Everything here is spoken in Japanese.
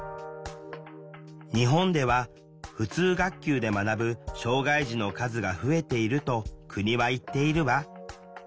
日本では普通学級で学ぶ障害児の数が増えていると国は言っているわ。